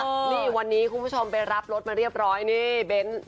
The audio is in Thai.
นี่วันนี้คุณผู้ชมไปรับรถมาเรียบร้อยนี่เบ้น